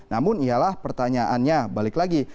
namun ialah pertanyaannya balik lagi